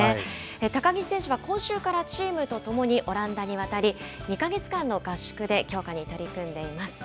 高木選手は今週からチームと共にオランダに渡り、２か月間の合宿で強化に取り組んでいます。